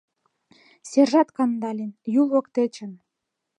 — Сержант Кандалин — Юл воктечын.